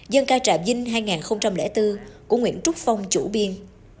dân ca trà vinh hai nghìn bốn của nguyễn trúc phong chủ biên